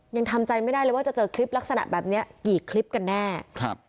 ยังทำใจไม่ได้เลยว่าจะเจอคลิปลักษณะแบบเนี้ยกี่คลิปกันแน่ครับ